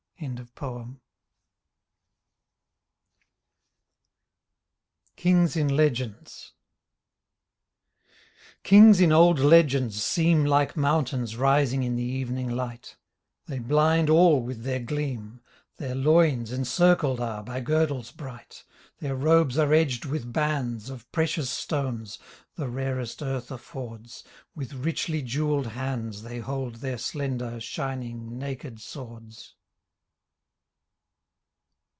.. II KINGS IN LEGENDS Kings in old legends seem Like mountains rising in the evening light. TTiey bhnd all with their gleam. Their loins encircled are by girdles bright, TTieir robes are edged with bands Of precious stones — the rarest earth affords — With richly jeweled hands They hold their slender, shining, naked swords.